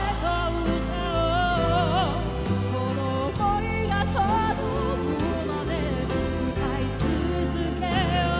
「この想いが届くまで歌い続けよう」